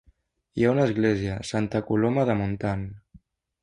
Hi ha una església, Santa Coloma de Montan.